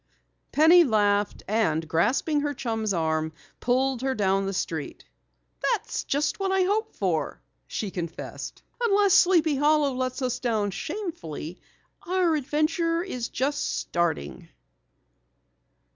Penny laughed and grasping her chums arm, pulled her down the street. "That's what I hope," she confessed. "Unless Sleepy Hollow lets us down shamefully, our adventure is just starting!"